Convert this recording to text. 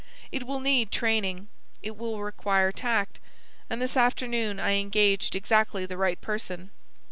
It will need training; it will require tact; and this afternoon I engaged exactly the right person.